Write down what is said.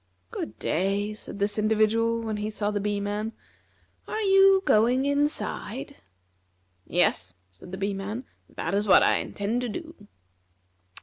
"Good day," said this individual when he saw the Bee man. "Are you going inside?" "Yes," said the Bee man, "that is what I intend to do."